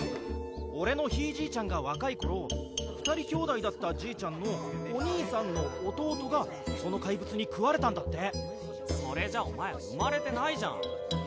⁉オレのひいじいちゃんがわかい頃２人兄弟だったじいちゃんのお兄さんの弟がその怪物に食われたんだってそれじゃお前生まれてないじゃん！